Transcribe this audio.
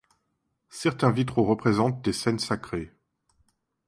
Certains vitraux représentent des scènes sacrées.